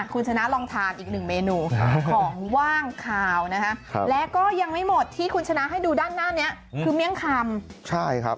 ข้างบัวแห่งสันยินดีต้อนรับทุกท่านนะครับ